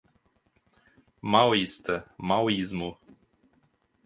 Maoísta, maoísmo